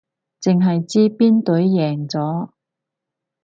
淨係知邊隊贏咗